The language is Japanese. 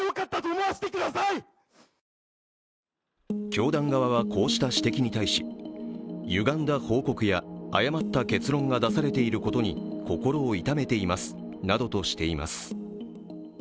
教団側はこうした指摘に対し、ゆがんだ報告や誤った結論が出されていることに心を痛めていますなどとしています。